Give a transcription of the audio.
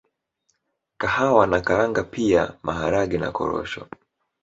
kahawa na karanga pia Maharage na korosho